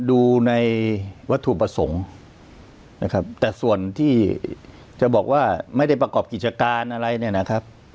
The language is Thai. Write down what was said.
ดูในวัตถุประสงค์นะครับแต่ส่วนที่จะบอกว่าไม่ได้ประกอบกิจการอะไรเนี่ยนะครับ